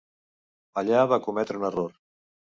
Allà va cometre un error.